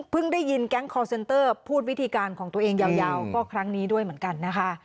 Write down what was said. ได้ยินแก๊งคอร์เซนเตอร์พูดวิธีการของตัวเองยาวก็ครั้งนี้ด้วยเหมือนกันนะคะ